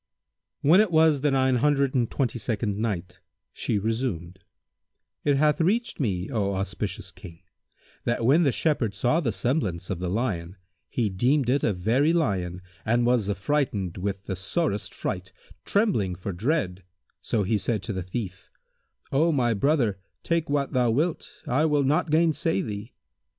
When it was the Nine Hundred and Twenty second Night, She resumed: It hath reached me, O auspicious King, that when the Shepherd saw the semblance of the lion, he deemed it a very lion and was affrighted with the sorest fright, trembling for dread so he said to the thief, "O my brother take what thou wilt, I will not gainsay thee."